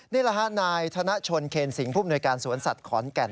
นิราภานายธนชนเขนสิงห์ผู้มนวยการสวนสัตว์ขอนแก่น